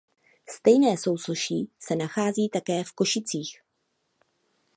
Stejné sousoší se nachází také v Košicích.